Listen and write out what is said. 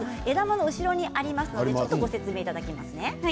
後ろにありますのでご説明いただきますね。